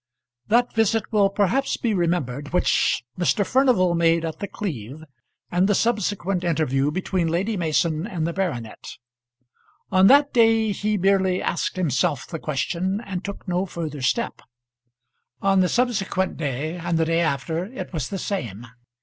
That visit will perhaps be remembered which Mr. Furnival made at The Cleeve, and the subsequent interview between Lady Mason and the baronet. On that day he merely asked himself the question, and took no further step. On the subsequent day and the day after, it was the same.